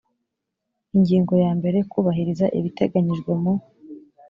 ingingo ya mbere kubahiriza ibiteganyijwe mu